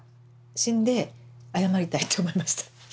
死んで謝りたいと思いました